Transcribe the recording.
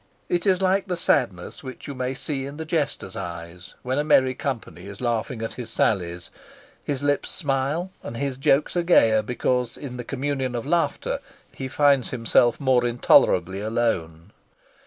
It is like the sadness which you may see in the jester's eyes when a merry company is laughing at his sallies; his lips smile and his jokes are gayer because in the communion of laughter he finds himself more intolerably alone.